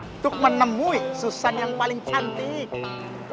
untuk menemui susan yang paling cantik